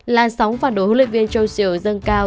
làn sóng phản đối huấn luyện viên châu siêu dân cao